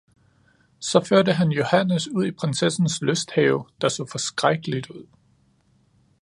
så førte han Johannes ud i prinsessens lysthave, der så forskrækkeligt ud!